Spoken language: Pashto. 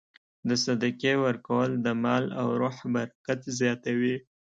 د صدقې ورکول د مال او روح برکت زیاتوي.